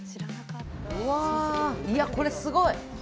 いや、これすごい。